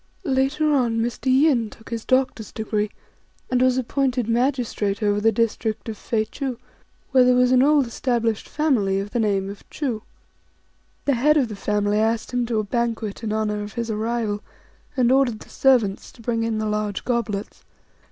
Later on Mr. Yin took his doctor's degree, and was appointed magistrate over the district of Fei ch'iu, where there was an old established family of the name of Chu. The head of the family asked him to a banquet in honour of his arrival, and ordered the servants to bring in the large goblets.